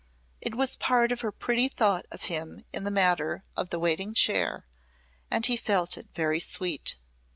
It was part of her pretty thought of him in the matter of the waiting chair and he felt it very sweet.